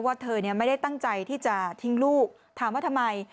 เธอเนี่ยไม่ได้ตั้งใจที่จะทิ้งลูกถามว่าทำไม